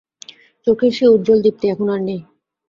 চোখের সে উজ্জ্বল দীপ্তি এখন আর নেই।